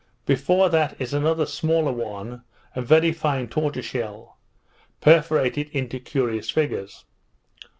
Before that is another smaller one, of very fine tortoise shell, perforated into curious figures.